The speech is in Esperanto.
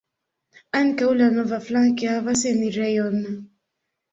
Ankaŭ la navo flanke havas enirejon.